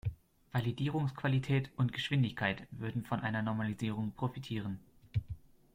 Validierungsqualität und -geschwindigkeit würden von einer Normalisierung profitieren.